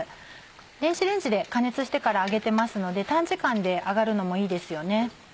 電子レンジで加熱してから揚げてますので短時間で揚がるのもいいですよね。